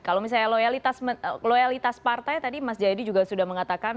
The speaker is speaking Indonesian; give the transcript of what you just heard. kalau misalnya loyalitas partai tadi mas jayadi juga sudah mengatakan